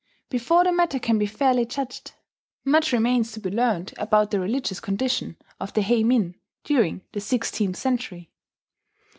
Before the matter can be fairly judged, much remains to be learned about the religious condition of the heimin during the sixteenth century.